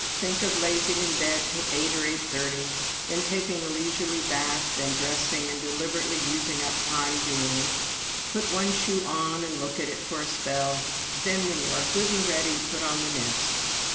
Think of lazing in bed till eight or eight thirty, then taking a leisurely bath, then dressing and deliberately using up time doing it put one shoe on and look at it a spell; then, when you are good and ready, put on the next.